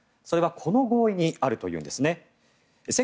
それはこの合意にあるというんですね。